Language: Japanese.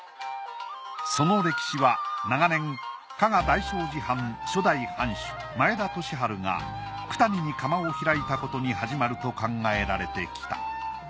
その歴史は長年加賀大聖寺藩初代藩主前田利治が九谷に窯を開いたことに始まると考えられてきた。